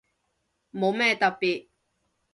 冇咩特別